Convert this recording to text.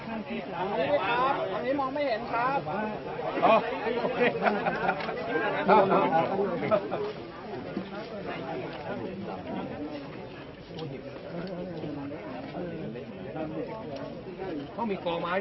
ฟังของรอดีขวา